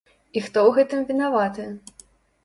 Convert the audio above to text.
І хто ў гэтым вінаваты?